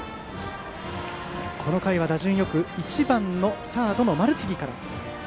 この回は打順よく１番サードの丸次から。